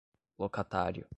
locatário